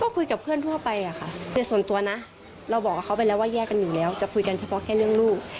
ก็คุยกับเพื่อนทั่วไปอะค่ะแต่ส่วนตัวนะเราบอกกับเขาไปแล้วว่าแยกกันอยู่แล้วจะคุยกันเฉพาะแค่เรื่องลูก